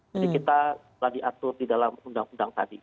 jadi kita telah diatur di dalam undang undang tadi